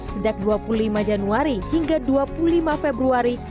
sejak dua puluh lima januari hingga dua puluh lima februari